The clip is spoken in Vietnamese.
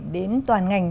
đến toàn ngành